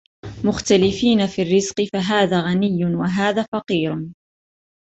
مُخْتَلِفِينَ فِي الرِّزْقِ فَهَذَا غَنِيٌّ وَهَذَا فَقِيرٌ